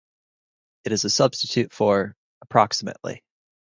It is a substitute for "approximately".